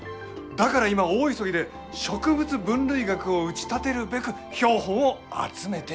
だから今大急ぎで植物分類学を打ち立てるべく標本を集めている。